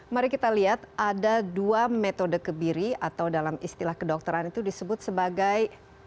mari kita lihat ada dua metode kebiri atau dalam istilah kedokteran itu disebut sebagai